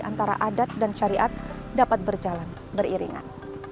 antara adat dan syariat dapat berjalan beriringan